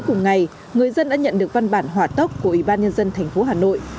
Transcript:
cùng ngày người dân đã nhận được văn bản hỏa tốc của ủy ban nhân dân thành phố hà nội